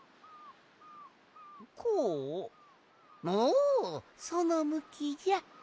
おそのむきじゃ。